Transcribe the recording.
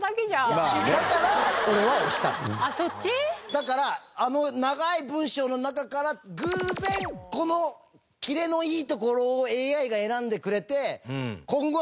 だからあの長い文章の中から偶然この切れのいいところをＡＩが選んでくれて今後はのちのち